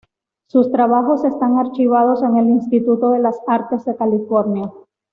Sus trabajos están archivados en el Instituto de las Artes de California.